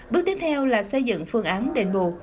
bước tiếp theo là xây dựng phương án đền bù